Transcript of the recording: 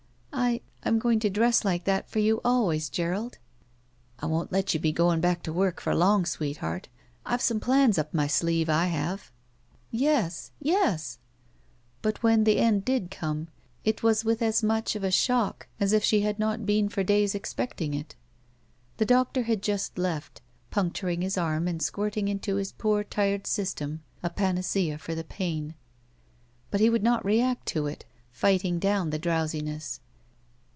"I — I'm going to dress like that for you always, Gerald." "I won't let you be going back to work for long, sweetheart. I've some plans up my sleeve, I have," 97 BACK PAY *'Yes! Yes!'* But when the end did come, it was with as much of a shock as if she had not been for days expecting it. The doctor had just left, pimcturing his arm and squirting into his poor tired system a panacea for the pain. But he would not react to it, fighting down the drowsiness.